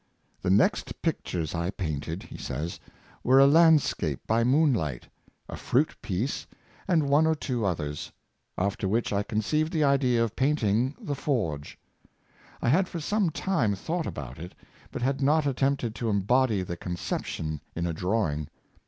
"The next pictures I painted," he says, "were a Landscape by Moonlight, a Fruit piece, and one or two others; after which I conceived the idea of painting ' The Forge.' I had for some time thought about it, but had not attempted to embody the conception in a drawing.